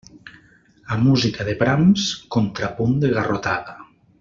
A música de brams, contrapunt de garrotada.